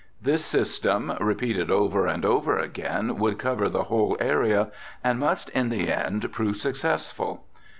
This system repeated over and over again would cover the whole area and must in the end prove successful.